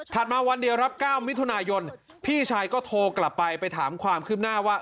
มาวันเดียวครับ๙มิถุนายนพี่ชายก็โทรกลับไปไปถามความคืบหน้าว่า